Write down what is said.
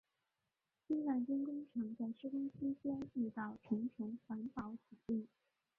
新万金工程在施工期间遇到重重环保阻力。